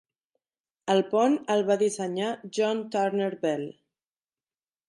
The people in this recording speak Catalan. El pont el va dissenyar John Turner Bell.